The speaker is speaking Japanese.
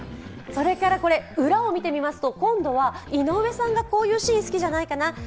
裏を見てみますと、今度は井上さんがこういうシーン好きじゃないかな。